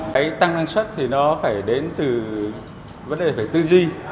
cái tăng năng suất thì nó phải đến từ vấn đề về tư duy